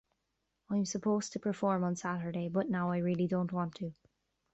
I'm supposed to perform on Saturday, but now I really don't want to.